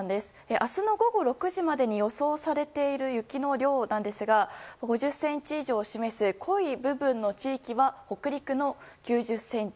明日の午後６時までに予想されている雪の量なんですが５０ｃｍ以上を示す濃い部分の地域は北陸の９０ｃｍ